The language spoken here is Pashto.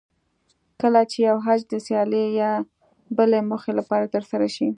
کله چې یو حج د سیالۍ یا بلې موخې لپاره ترسره شي.